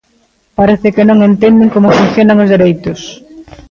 Parece que non entenden como funcionan os dereitos.